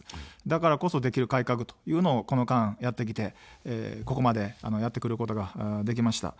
だからこそ、できる改革というのを、この間やってきて、ここまでやってくることができました。